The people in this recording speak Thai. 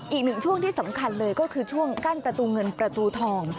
อีกหนึ่งช่วงที่สำคัญเลยก็คือช่วงกั้นประตูเงินประตูทอง